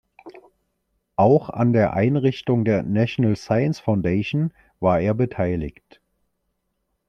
Auch an der Einrichtung der National Science Foundation war er beteiligt.